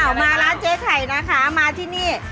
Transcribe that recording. มาร้านเจ๊ไข่นะคะมาที่นี่